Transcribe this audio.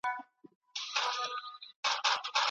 ځيني ميندي او پلرونه پخپل سلوک سره خپل کور زندان کړي.